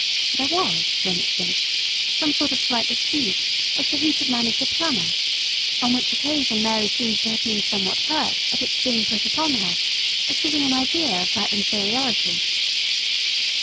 There was, for instance, some sort of slight dispute as to who should manage a plumber, on which occasion Mary seems to have been somewhat hurt at its being put upon her, as giving an idea of her inferiority.